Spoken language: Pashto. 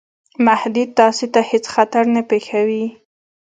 مهدي تاسي ته هیڅ خطر نه پېښوي.